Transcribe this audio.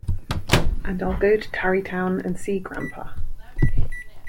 And I'll go to Tarrytown and see Grampa.